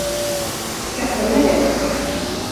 Skaffa mig det!